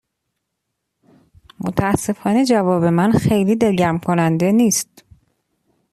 متاسفانه جواب من خیلی دلگرم کننده نیست.